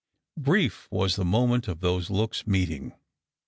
Brief was the moment of those looks meeting.